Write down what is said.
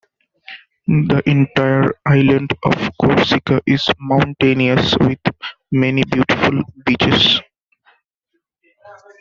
The entire island of Corsica is mountainous with many beautiful beaches.